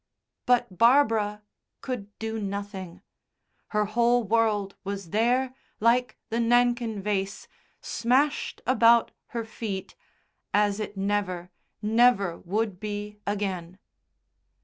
But Barbara could do nothing. Her whole world was there, like the Nankin vase, smashed about her feet, as it never, never would be again.